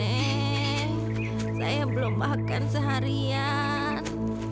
eh saya belum makan seharian